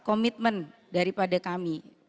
komitmen daripada kami